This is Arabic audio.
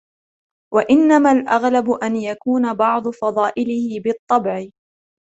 وَإِنَّمَا الْأَغْلَبُ أَنْ يَكُونَ بَعْضُ فَضَائِلِهِ بِالطَّبْعِ